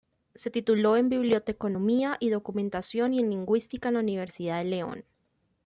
Se tituló en Biblioteconomía y Documentación y en Lingüística en la Universidad de León.